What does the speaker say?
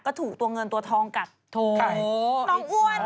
ก็ถูกตัวเงินตัวทองกัดโถน้องอ้วนน่ะน้องอ้วนน่ะ